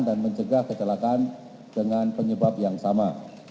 dan mencegah kecelakaan dengan penyebab yang sama